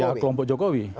ya kelompok jokowi